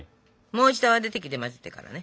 もう一度泡立て器で混ぜてからね。